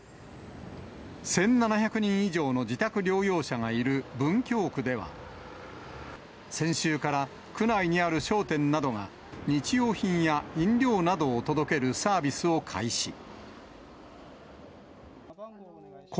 １７００人以上の自宅療養者がいる文京区では、先週から区内にある商店などが、日用品や飲料などを届けるサービスを開始。